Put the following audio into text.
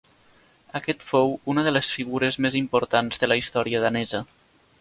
Aquest fou una de les figures més importants de la història danesa.